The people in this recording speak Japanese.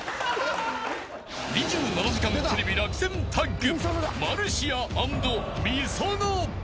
［『２７時間テレビ』落選タッグ］